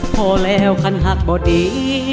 พอแล้วคันหักบ่ดี